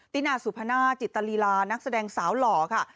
ตินาสุพนาจิตลีลานักแสดงสาวหล่อค่ะ